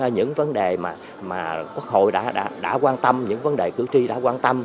những vấn đề mà quốc hội đã quan tâm những vấn đề cử tri đã quan tâm